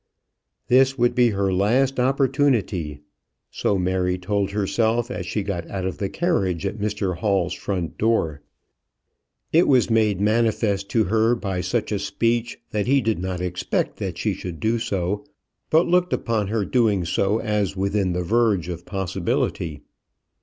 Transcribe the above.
This would be her last opportunity. So Mary told herself as she got out of the carriage at Mr Hall's front door. It was made manifest to her by such a speech that he did not expect that she should do so, but looked upon her doing so as within the verge of possibility.